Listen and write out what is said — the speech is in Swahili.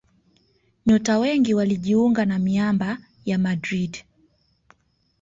Nyota wengi walijiunga na miamba ya Madrid